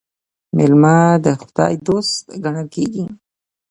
میلمه د خدای دوست ګڼل کیږي.